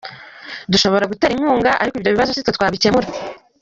Dushobora gutera inkunga ariko ibyo bibazo si twe twabikemura.